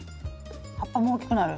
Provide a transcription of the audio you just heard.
葉っぱも大きくなる？